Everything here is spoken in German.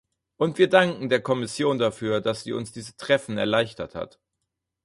Und wir danken der Kommission dafür, dass Sie uns diese Treffen erleichtert hat.